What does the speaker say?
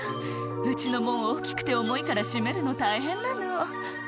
「うちの門大きくて重いから閉めるの大変なの」